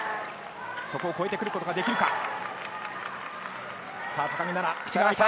そこを超えてくることができるか？